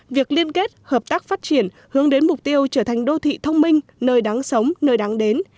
việc liên kết hợp tác phát triển hướng đến mục tiêu trở thành đô thị thông minh nơi đáng sống nơi đáng đến